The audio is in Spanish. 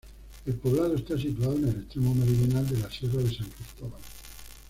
El poblado está situado en el extremo meridional de la sierra de San Cristóbal.